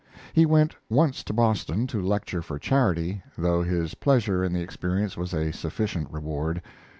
He went once to Boston to lecture for charity, though his pleasure in the experience was a sufficient reward.